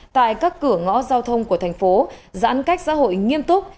tại các cửa ngõ giao thông của thành phố giãn cách xã hội nghiêm túc